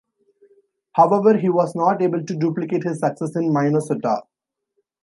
However, he was not able to duplicate his success in Minnesota.